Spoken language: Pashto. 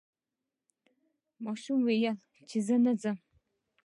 ماشوم وویل چې زه نه ځم.